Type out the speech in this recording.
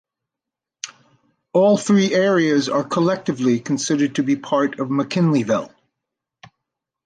All three areas are collectively considered to be part of McKinleyville.